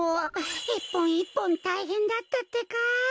いっぽんいっぽんたいへんだったってか。